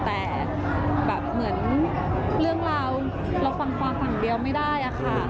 แต่แบบเหมือนเรื่องราวเราฟังความฝั่งเดียวไม่ได้อะค่ะ